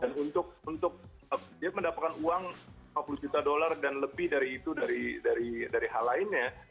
dan untuk dia mendapatkan uang lima puluh juta dollar dan lebih dari hal lainnya